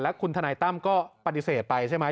คุณทนายตั้มก็ปฏิเสธไปใช่ไหม